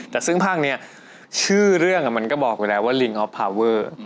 แต่ซึ่งภาคนี้ชื่อเรื่องมันก็บอกอยู่แล้วว่าลิงออฟพาเวอร์